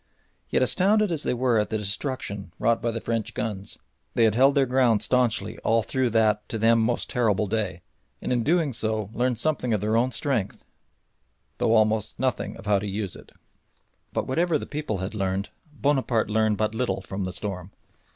Yet, astounded as they were at the destruction wrought by the French guns, they had held their ground staunchly all through that to them most terrible day, and in doing so learned something of their own strength though almost nothing of how to use it. But whatever the people had learned, Bonaparte learned but little from the storm.